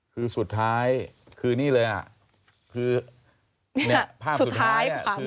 คือสุดท้ายคือนี่เลยอะคือเนี่ย